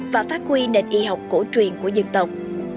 và phát huy nền y học cổ truyền của dân tộc